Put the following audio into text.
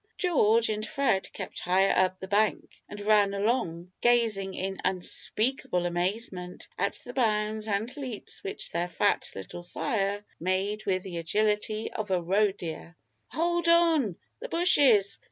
George and Fred kept higher up the bank, and ran along, gazing in unspeakable amazement at the bounds and leaps which their fat little sire made with the agility of a roe deer. "Hold on! the bushes!